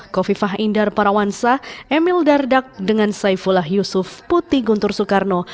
kofifah indar parawansa emil dardak dengan saifullah yusuf putih guntur soekarno